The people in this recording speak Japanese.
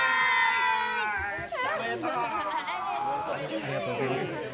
ありがとうございます。